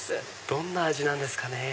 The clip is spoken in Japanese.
どんな味なんですかね？